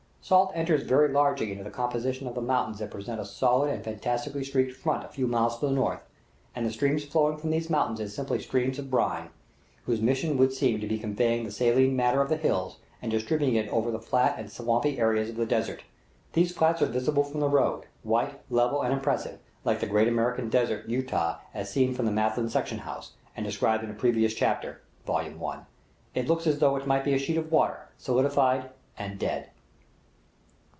Salt enters very largely into the composition of the mountains that present a solid and fantastically streaked front a few miles to the north; and the streams flowing from these mountains are simply streams of brine, whose mission would seem to be conveying the saline matter from the hills, and distributing it over the flats and swampy areas of the desert. These flats are visible from the road, white, level, and impressive; like the Great American Desert, Utah, as seen from the Matlin section house, and described in a previous chapter (Vol. I.), it looks as though it might be a sheet of water, solidified and dead.